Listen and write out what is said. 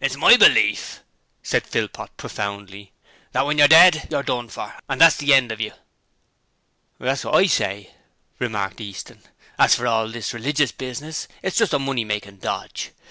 'It's my belief,' said Philpot, profoundly, 'that when you're dead, you're done for. That's the end of you.' 'That's what I say,' remarked Easton. 'As for all this religious business, it's just a money making dodge.